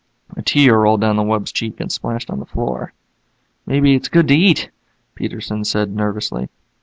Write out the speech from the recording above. A tear rolled down the wub's cheek and splashed on the floor. "Maybe it's good to eat," Peterson said nervously.